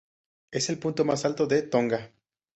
Es el punto más alto de Tonga.